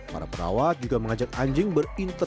para perawat juga mengajak anjing berinteraksi